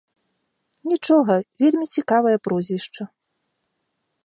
Нічога, вельмі цікавае прозвішча.